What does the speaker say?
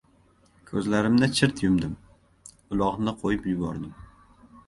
Ko‘zlarimni chirt yumdim, uloqni qo‘yib yubordim...